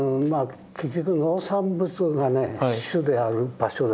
結局農産物がね主である場所ですし。